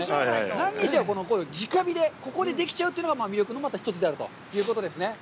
何にせよ、直火で、ここでできちゃうというのが魅力のまた一つであるということですね。